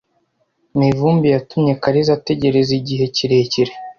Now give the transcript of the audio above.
Mivumbi yatumye Kariza ategereza igihe kirekire.